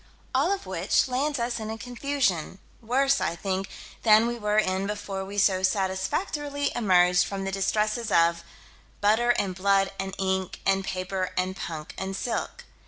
All of which lands us in a confusion, worse, I think, than we were in before we so satisfactorily emerged from the distresses of butter and blood and ink and paper and punk and silk.